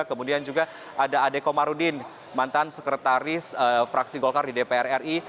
kemudian juga ada ade komarudin mantan sekretaris fraksi golkar di dpr ri